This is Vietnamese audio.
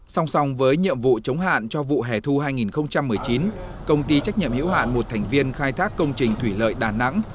song song với nhiệm vụ chống hạn cho vụ hẻ thu hai nghìn một mươi chín công ty trách nhiệm hiểu hạn một thành viên khai thác công trình thủy lợi đà nẵng